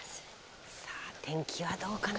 さあ天気はどうかな？